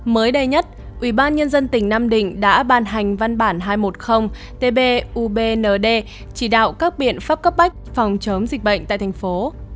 mới đây nhất ubnd tỉnh nam định đã ban hành văn bản hai trăm một mươi tbubnd chỉ đạo các biện pháp cấp bách phòng chống dịch bệnh tại thành phố